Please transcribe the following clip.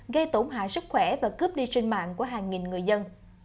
gây tổn hại sức khỏe và cướp đi sinh mạng của hàng nghìn người dân